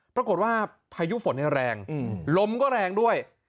ปรากฏว่าพายุฝนแรงลมก็แรงด้วย